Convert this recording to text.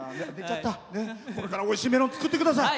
これからおいしいメロン作ってください。